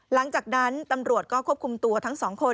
หลังจากนั้นตำรวจก็ควบคุมตัวทั้งสองคน